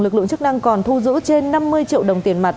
lực lượng chức năng còn thu giữ trên năm mươi triệu đồng tiền mặt